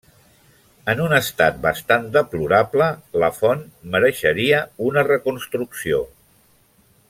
En un estat bastant deplorable, la font mereixeria una reconstrucció.